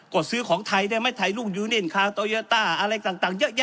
กดซื้อของไทยเนี่ยไม่ไทยลุ่งยูนินคาร์โตเยอต้าอะไรต่างเยอะแยะ